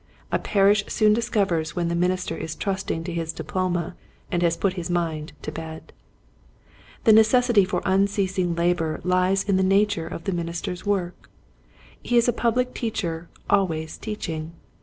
A parish soon dis covers when the minister is trusting to his diploma and has put his mind to bed. The necessity for unceasing labor lies in the nature of the minister's work. He is a public teacher always teaching.